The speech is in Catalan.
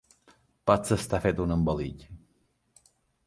Potser està fet un embolic.